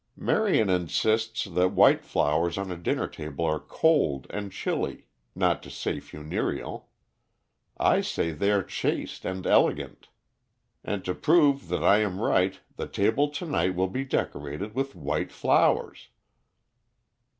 "Marion insists that white flowers on a dinner table are cold and chilly, not to say funereal. I say they are chaste and elegant. And, to prove that I am right, the table to night will be decorated with white flowers."